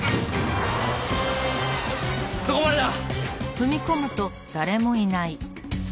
そこまでだ！